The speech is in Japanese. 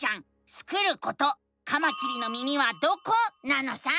スクること「カマキリの耳はどこ？」なのさ！